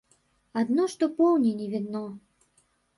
Адно што поўні не відно.